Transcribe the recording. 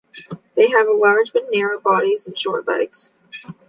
They have large but narrow bodies and short legs.